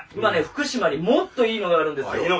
福島にもっといいのがあるんですよ。